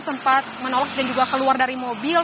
sempat menolak dan juga keluar dari mobil